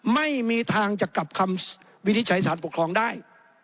ไม่มีทางจะกลับคำวินิจฉัยสารปกครองได้